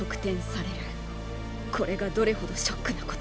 これがどれほどショックなことか。